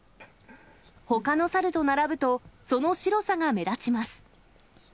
ほかのサルと並ぶと、その白さが目立ちます。